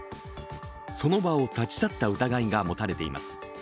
その場を立ち去った疑いが持たれています。